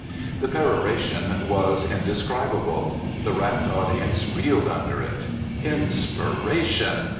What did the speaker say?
The peroration was indescribable. The rapt audience reeled under it. Inspiration